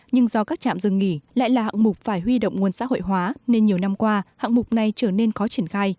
nhưng do các trạm dừng nghỉ lại là hạng mục phải huy động nguồn xã hội hóa nên nhiều năm qua hạng mục này trở nên khó triển khai